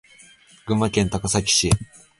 群馬県高崎市